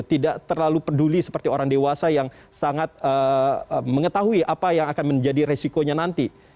tidak terlalu peduli seperti orang dewasa yang sangat mengetahui apa yang akan menjadi resikonya nanti